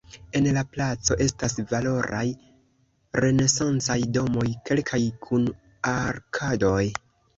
En la placo estas valoraj renesancaj domoj, kelkaj kun arkadoj.